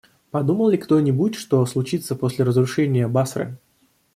Подумал ли кто-нибудь, что случится после разрушения Басры?